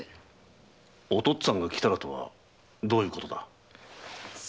「お父っつぁんが来たら」とはどういうことだ？